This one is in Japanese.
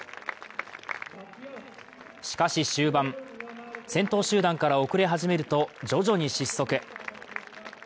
しかし終盤、先頭集団から遅れ始めると徐々に失速。